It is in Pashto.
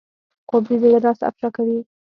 خوب د زړه راز افشا کوي